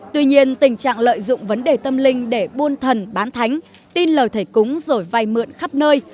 tuy nhiên tình trạng lợi dụng vấn đề tâm linh để buôn thần bán thánh tin lời thầy cúng rồi vay mượn khắp nơi